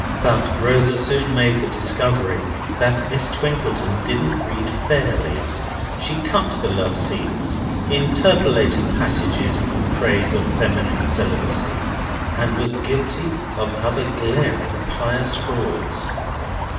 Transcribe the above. But Rosa soon made the discovery that Miss Twinkleton didn't read fairly. She cut the love scenes, interpolated passages in praise of female celibacy, and was guilty of other glaring pious frauds.